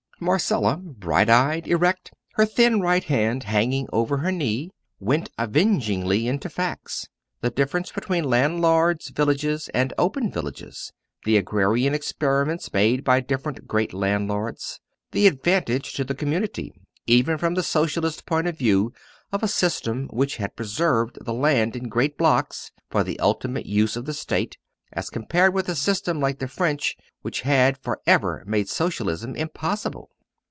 Marcella, bright eyed, erect, her thin right hand hanging over her knee, went avengingly into facts the difference between landlords' villages and "open" villages; the agrarian experiments made by different great landlords; the advantage to the community, even from the Socialist point of view of a system which had preserved the land in great blocks, for the ultimate use of the State, as compared with a system like the French, which had for ever made Socialism impossible.